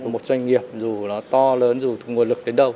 một doanh nghiệp dù nó to lớn dù nguồn lực đến đâu